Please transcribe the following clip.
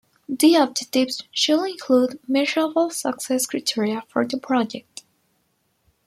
The objectives should include measurable success criteria for the project.